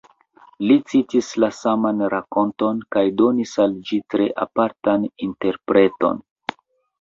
Li citis la saman rakonton kaj donis al ĝi tre apartan interpreton.